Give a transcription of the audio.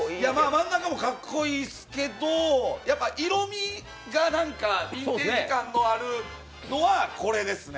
真ん中もかっこいいっすけど、やっぱ色みがヴィンテージ感あるのはこれですね。